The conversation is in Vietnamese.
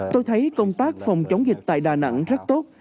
tôi thấy công tác phòng chống dịch tại đà nẵng rất tốt